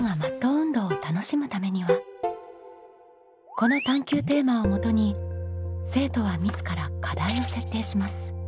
この探究テーマをもとに生徒は自ら課題を設定します。